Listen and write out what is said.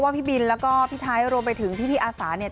พี่บินแล้วก็พี่ไทยรวมไปถึงพี่อาสาเนี่ย